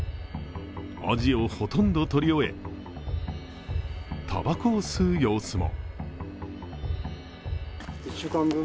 アジをほとんど取り終え、たばこを吸う様子も。